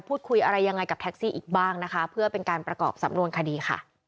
พูดคุยอะไรยังไงกับแท็กซี่อีกบ้างนะคะเพื่อเป็นการประกอบสำนวนคดีค่ะ